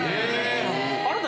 あなた。